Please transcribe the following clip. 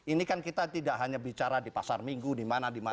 ini kan kita tidak hanya bicara di pasar minggu di mana di mana